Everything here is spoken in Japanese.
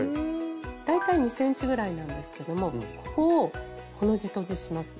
大体２ｃｍぐらいなんですけどもここをコの字とじします。